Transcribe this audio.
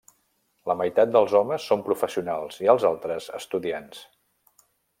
La meitat dels homes són professionals i els altres estudiants.